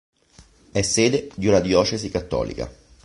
È sede di una diocesi cattolica.